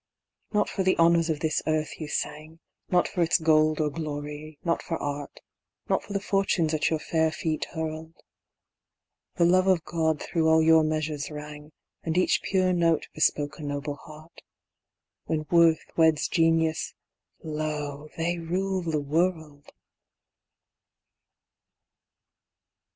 Not for the honours of this earth you sang Not for its gold or glory, not for art, Not for the fortunes at your fair feet hurled. The love of God through all your measures rang, And each pure note bespoke a noble heart. When worth weds genius, lo! they rule the world.